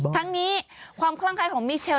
ทั้งนี้ความคลั่งคล้ายของมิเชล